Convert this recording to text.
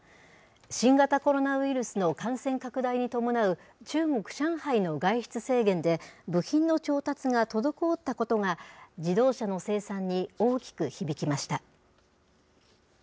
新型コロナウイルスの感染拡大に伴う、中国・上海の外出制限で部品の調達が滞ったことが、自動車の生産に大きく響きました。